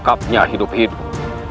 kau harus hidup hidup